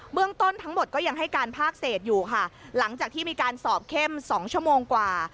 เรื่องต้นทั้งหมดก็ยังให้การภาคเศษอยู่ค่ะหลังจากที่มีการสอบเข้มสองชั่วโมงกว่า